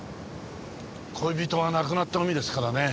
恋人が亡くなった海ですからね。